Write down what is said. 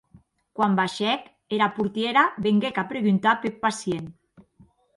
Quan baishèc, era portièra venguec a preguntar peth pacient.